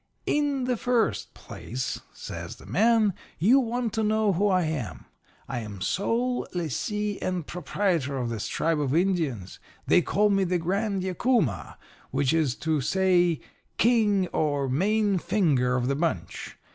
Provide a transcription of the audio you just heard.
"'In the first place,' says the man, 'you want to know who I am. I'm sole lessee and proprietor of this tribe of Indians. They call me the Grand Yacuma, which is to say King or Main Finger of the bunch.